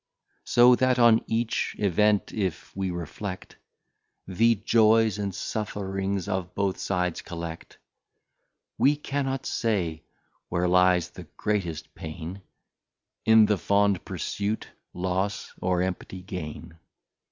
So that on each Event if we reflect, The Joys and Sufferings of both sides collect, We cannot say where lies the greatest Pain, In the fond Pursuit, Loss, or Empty Gain.